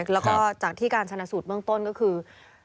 แล้วก็จากที่การชนะสูตรเบื้องต้นก็คือ